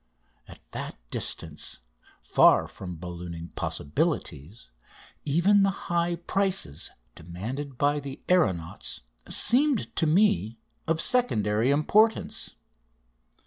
At that distance, far from ballooning possibilities, even the high prices demanded by the aeronauts seemed to me of secondary importance.